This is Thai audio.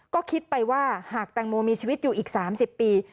ก็คิดไปว่าหากแตงโมมีชีวิตอยู่อีก๓๐ปี